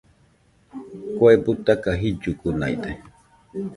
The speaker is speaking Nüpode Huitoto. Kue butaka, jillugunaide.